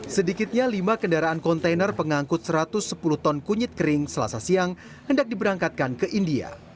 sedikitnya lima kendaraan kontainer pengangkut satu ratus sepuluh ton kunyit kering selasa siang hendak diberangkatkan ke india